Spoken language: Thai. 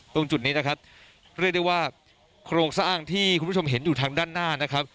ตรงจุดนี้นะครับเรียกได้ว่าโครงสร้างที่คุณผู้ชมเห็นอยู่ทางด้านหน้านะครับ